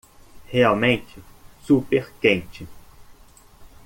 Realmente super quente